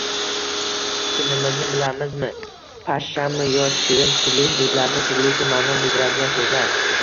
Tilimizni bilamizmi: pashshami yo chivin? Turli hududlarda turlicha ma’no bildiradigan so‘zlar